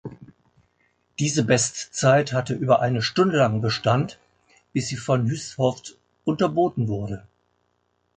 Diese Bestzeit hatte über eine Stunde lang Bestand, bis sie von Hushovd unterboten wurde.